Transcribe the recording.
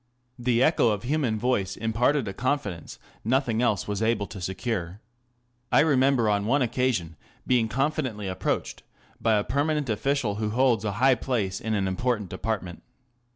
The echo of human voice imparted a confidence nothing else was able to secure. I remember on one occasion being confidentially approached by a permanent official who holds a high place in an important department.